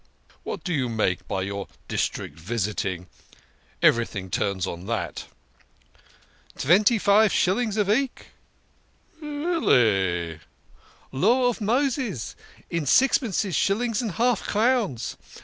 What do you make by your district visiting ? Everything turns on that." " Tventy five shilling a veek !" "Really?" " Law of Moses ! In sixpences, shillings, and half crowns.